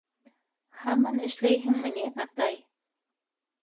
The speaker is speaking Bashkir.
Һаман эшләйһеңме ни, атай?